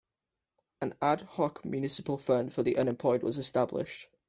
An ad-hoc municipal fund for the unemployed was established.